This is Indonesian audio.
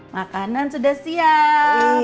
makanan sudah siap